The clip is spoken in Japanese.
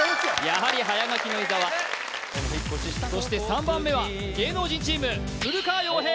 やはり早書きの伊沢そして３番目は芸能人チーム古川洋平